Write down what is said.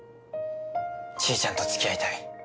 ちーちゃんとつきあいたい。